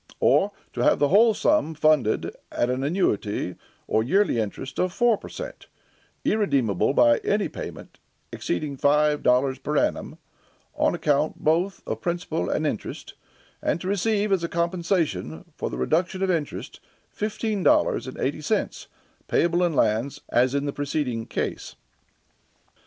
Or, to have the whole sum funded at an annuity or yearly interest of four per cent, irredeemable by any payment exceeding five dollars per annum, on account both of principal and interest, and to receive, as a compensation for the reduction of interest, fifteen dollars and eighty cents, payable in lands, as in the preceding case."